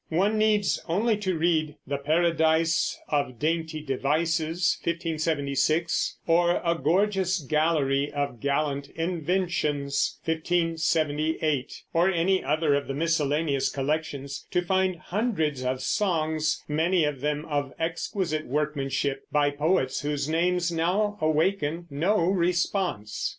One needs only to read The Paradyse of Daynty Devises (1576), or A Gorgeous Gallery of Gallant Inventions (1578), or any other of the miscellaneous collections to find hundreds of songs, many of them of exquisite workmanship, by poets whose names now awaken no response.